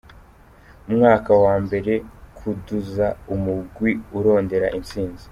Umwaka wa mbere: kuduza umugwi urondera intsinzi.